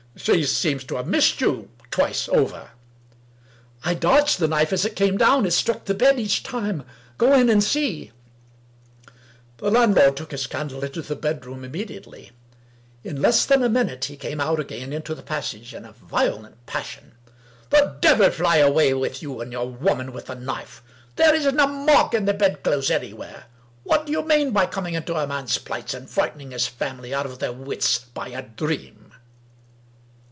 " She seems to have missed you — ^twice over." " I dodged the knife as it came down. It struck the bed each time. Go in, and see." The landlord took his candle into the bedroom imme diately. In less than a minute he came out again into the passage in a violent passion. " The devil fly away with you and your woman with the knife! There isn't a mark in the bedclothes anywhere. What do you mean by coming into a man's place and frightening his family out of their wits by a dream